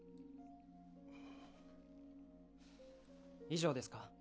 以上ですか？